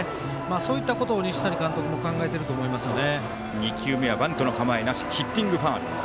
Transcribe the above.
そういったことを西谷監督も考えてると思いますね。